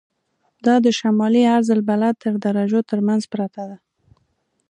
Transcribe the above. دا د شمالي عرض البلد تر درجو تر منځ پرته ده.